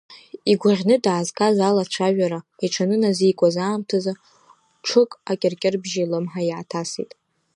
Игәаӷьны даазгаз алацәажара иҽынаназикуаз аамҭазы, ҽык акьыркьырыбжьы илымҳа иааҭасит.